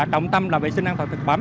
trọng tâm là vệ sinh an toàn thực phẩm